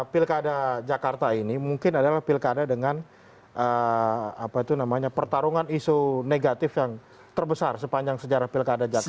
pilkada jakarta ini mungkin adalah pilkada dengan pertarungan isu negatif yang terbesar sepanjang sejarah pilkada jakarta